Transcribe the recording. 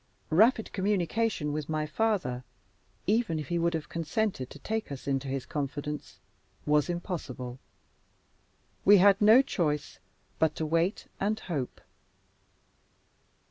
Rapid communication with my father (even if he would have consented to take us into his confidence) was impossible. We had no choice but to wait and hope.